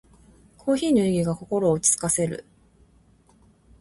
コーヒーの湯気が心を落ち着かせる。